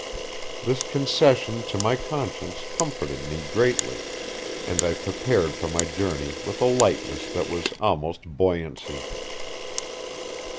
This concession to my conscience comforted me greatly, and I prepared for my journey with a lightness that was almost buoyancy.